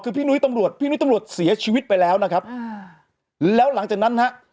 คือพี่นุ้ยตำรวจพี่นุ้ยตำรวจเสียชีวิตไปแล้วนะครับอ่าแล้วหลังจากนั้นฮะ